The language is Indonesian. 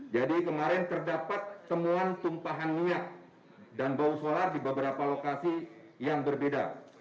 jadi kemarin terdapat temuan tumpahan minyak dan bau solar di beberapa lokasi yang berbeda